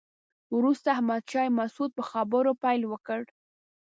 وروسته احمد شاه مسعود په خبرو پیل وکړ.